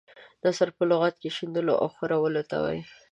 نثر په لغت کې شیندلو او خورولو ته وايي.